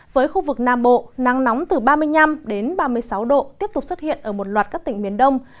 với khu vực nam bộ nắng nóng từ ba mươi năm đến ba mươi sáu độ tiếp tục xuất hiện ở một loạt các tỉnh miền đông